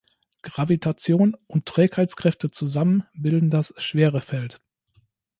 Gravitation und Trägheitskräfte zusammen bilden das Schwerefeld.